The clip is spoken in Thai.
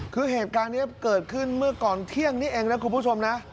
คือเหตุการณ์นี้เกิดขึ้นเมื่อก่อนเที่ยงนี้เองนะคุณผู้ชมนะ